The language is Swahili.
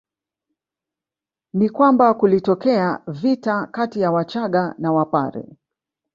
Ni kwamba kulitokea vita kati ya Wachaga na Wapare